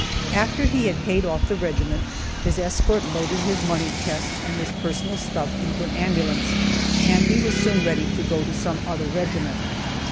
After he had paid off the regiment, his escort loaded his money chest and his personal stuff into an ambulance, and he was soon ready to go to some other regiment.